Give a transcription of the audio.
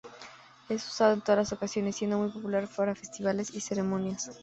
Es usado en todas las ocasiones, siendo muy popular para festivales y ceremonias.